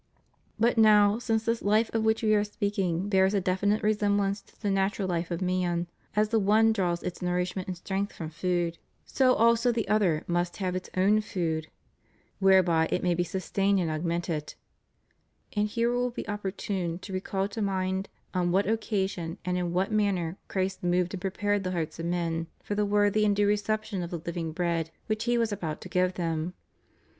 But now, since this life of which We are speaking bears a definite resemblance to the natural life of man, as the one draws its nourishment and strength from food, so also the other must have its own food whereby it may b« » John vi. 52. » John x 10. *Tit. iii. 4. THE MOST HOLY EUCHARIST. 521 sustained and augmented. And here it will be opportune to recall to mind on what occasion and in what manner Christ moved and prepared the hearts of men for the worthy and due reception of the Hving bread which He was about to give them.